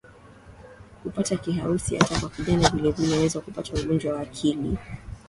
kupata Kiharusi hata kwa kijana Vilevile unaweza kupata ugonjwa wa akili